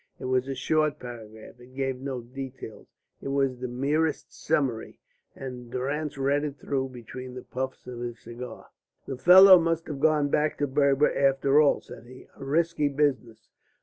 It was a short paragraph; it gave no details; it was the merest summary; and Durrance read it through between the puffs of his cigar. "The fellow must have gone back to Berber after all," said he. "A risky business.